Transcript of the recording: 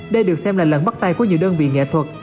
đây được xem là lần bắt tay của nhiều đơn vị nghệ thuật